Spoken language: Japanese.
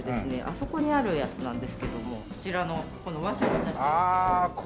あそこにあるやつなんですけどもこちらのこのワシャワシャした。